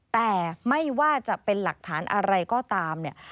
แต่ไม่ว่าจะเป็นหลักฐานอะไรก็ตามเนี่ย